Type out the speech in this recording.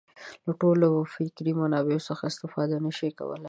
له ټولو فکري منابعو څخه استفاده نه شي کولای.